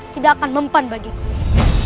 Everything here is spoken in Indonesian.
tidak akan mempan bagiku